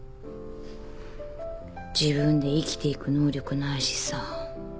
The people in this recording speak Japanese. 自分で生きていく能力ないしさ。